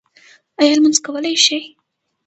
ایا لمونځ کولی شئ؟